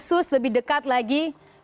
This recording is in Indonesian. kini saya lebih dekat lagi